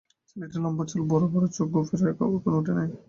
ছেলেটির লম্বা চুল, বড়ো বড়ো চোখ, গোঁফের রেখা এখনো উঠে নাই।